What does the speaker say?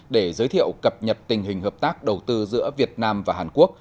để giới thiệu cập nhật tình hình hợp tác đầu tư giữa việt nam và hàn quốc